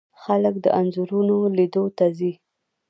خلک د انځورونو لیدلو ته ځي.